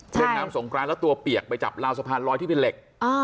เล่นน้ำสงกรานแล้วตัวเปียกไปจับราวสะพานลอยที่เป็นเหล็ก